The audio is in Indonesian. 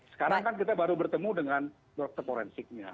sekarang kan kita baru bertemu dengan dokter forensiknya